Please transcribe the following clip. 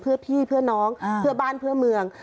เพื่อพี่เพื่อน้องเพื่อบ้านเพื่อเมือง